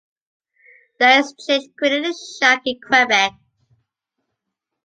The exchange created a shock in Quebec.